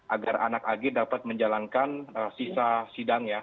agar anak ag dapat menjalankan sisa sidang ya